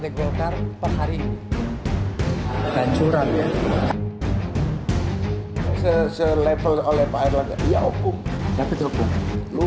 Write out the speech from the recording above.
tidak saatnya untuk melakukan upaya upaya seperti begitu